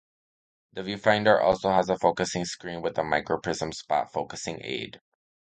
The viewfinder also has a focusing screen with a microprism spot focusing aid.